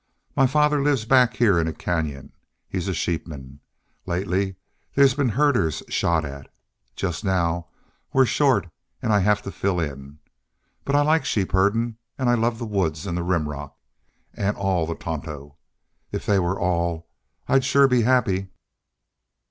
My father lives back heah in a canyon. He's a sheepman. Lately there's been herders shot at. Just now we're short an' I have to fill in. But I like shepherdin' an' I love the woods, and the Rim Rock an' all the Tonto. If they were all, I'd shore be happy."